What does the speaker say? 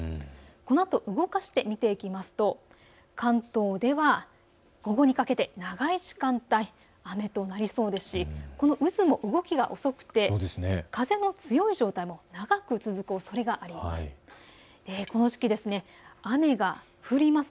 このあと動かして見ていきますと関東では午後にかけて長い時間帯、雨となりそうですし渦も動きが遅くて風も強い状態が長く続くおそれがあります。